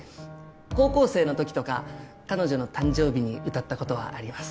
高校生の時とか彼女の誕生日に歌ったことはあります。